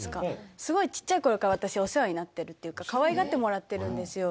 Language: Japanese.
すごい小っちゃい頃から私お世話になってるっていうかかわいがってもらってるんですよ。